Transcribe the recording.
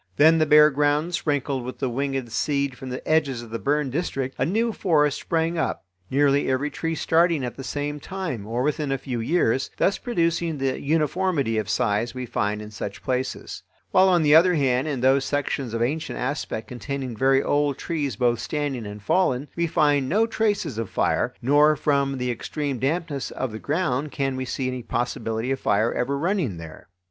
Then, the bare ground sprinkled with the winged seed from the edges of the burned district, a new forest sprang up, nearly every tree starting at the same time or within a few years, thus producing the uniformity of size we find in such places; while, on the other hand, in those sections of ancient aspect containing very old trees both standing and fallen, we find no traces of fire, nor from the extreme dampness of the ground can we see any possibility of fire ever running there.